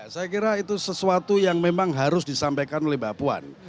saya kira itu sesuatu yang memang harus disampaikan oleh mbak puan